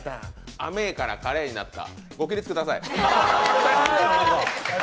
あめえから、カレーになったご起立ください。